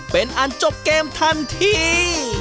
เป็นอันจบเกมทันที